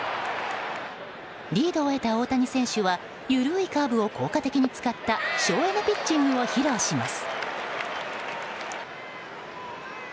リードを得た大谷選手は緩いカーブを効果的に使った省エネピッチングを披露します。